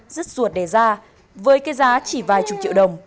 rất ruột đẻ ra với cái giá chỉ vài chục triệu đồng